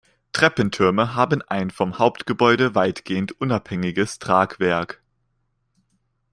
Treppentürme haben ein vom Hauptgebäude weitgehend unabhängiges Tragwerk.